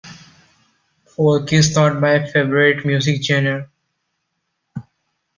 Folk is not my favorite music genre.